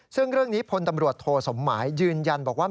ซึ่งเรื่องนี้พลตำรวจโทสมหมายยืนยันบอกว่า